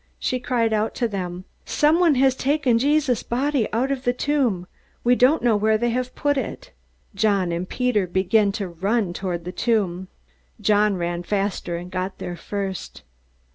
She cried out to them: "Someone has taken Jesus' body out of the tomb. We don't know where they have put it!" John and Peter began to run toward the tomb. John ran faster, and got there first.